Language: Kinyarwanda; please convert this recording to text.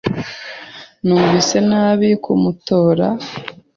Numvise nabi kumutora.